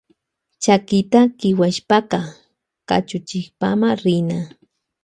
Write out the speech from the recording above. Chakita kiwishpaka kakuchikpama rina.